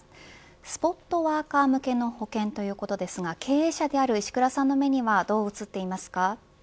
スポットワーカー向けの保険ということですが経営者である石倉さんの目にはどう映っていますか。